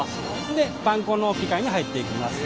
でパン粉の機械に入っていきます。